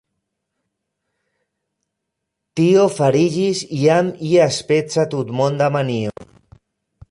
Tio fariĝis jam iaspeca tutmonda manio.